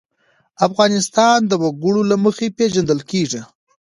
افغانستان د وګړي له مخې پېژندل کېږي.